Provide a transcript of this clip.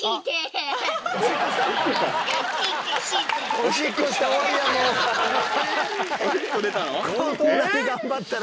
おしっこ出たの？